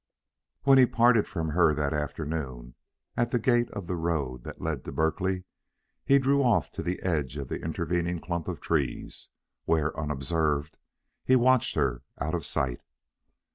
When he parted from her that afternoon, at the gate of the road that led to Berkeley, he drew off to the edge of the intervening clump of trees, where, unobserved, he watched her out of sight.